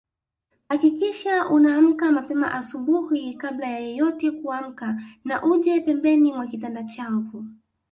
Hakikisha unaamka mapema asubuhi kabla ya yeyote kuamka na uje pembeni mwa kitanda changu